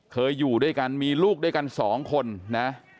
อยู่ด้วยกันมีลูกด้วยกันสองคนนะ